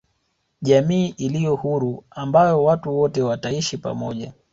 jamii iliyo huru ambayo watu wote wataishi pamoja